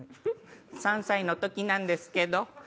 ３歳の時なんですけど。